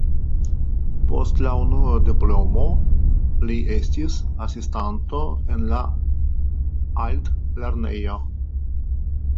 Post la unua diplomo li estis asistanto en la altlernejo.